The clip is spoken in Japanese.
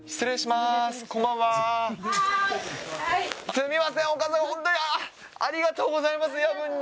すみません、お母さん、本当に、ありがとうございます、夜分に。